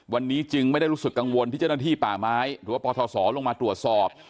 วันนี้จึงไม่ได้รู้สึกกังวลที่เจ้าหน้าที่ป่าไม้หรือว่าปทศลงมาตรวจสอบ